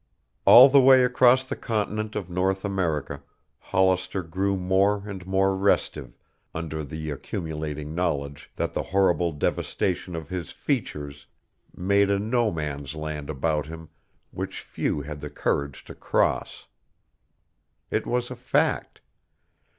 All the way across the continent of North America Hollister grew more and more restive under the accumulating knowledge that the horrible devastation of his features made a No Man's Land about him which few had the courage to cross. It was a fact.